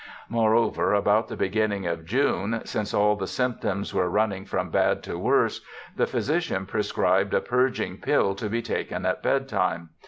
Moreover, about the beginning of June, since all the symptoms were running from bad to worse, the phy sician prescribed a purging pill to be taken at bedtime.